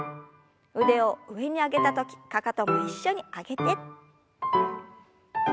腕を上に上げた時かかとも一緒に上げて。